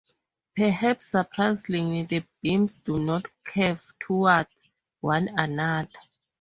Perhaps surprisingly, the beams do not curve toward one another.